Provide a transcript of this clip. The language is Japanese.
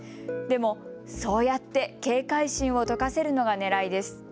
でも、そうやって警戒心を解かせるのがねらいです。